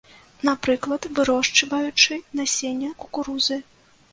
Напрыклад, вырошчваючы насенне кукурузы.